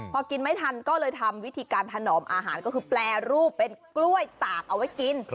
พอกินไม่ทันก็เลยทำวิธีการถนอมอาหารก็คือแปรรูปเป็นกล้วยตากเอาไว้กิน